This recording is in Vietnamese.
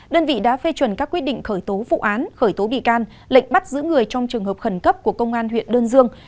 đơn vị đã phê chuẩn các quyết định khởi tố vụ án khởi tố bị can lệnh bắt giữ người trong trường hợp khẩn cấp của công an huyện đơn dương